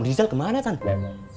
om rizal kemana tante